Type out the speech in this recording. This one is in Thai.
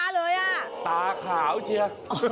ตาหมายนั้นตาขาวเชียว